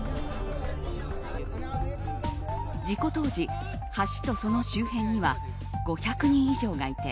事故当時、橋とその周辺には５００人以上がいて